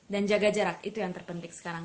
dan jaga jarak itu yang terpenting sekarang